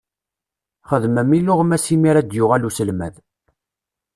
Xedmem iluɣma simira ad d-yuɣal uselmad.